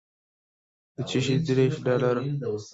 د چشي دېرش ډالره.